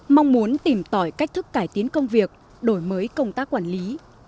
mong muốn tìm tỏi cách thức cải tiến công việc đổi mới công tác quản lý